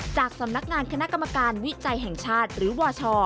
จากสำนักงานคณะกรรมการวิจัยแห่งชาติหรือวช